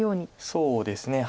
そうですね。